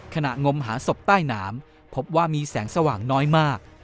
งมหาศพใต้น้ำพบว่ามีแสงสว่างน้อยมาก